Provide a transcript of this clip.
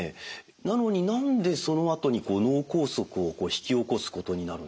なのに何でそのあとに脳梗塞を引き起こすことになるんですか？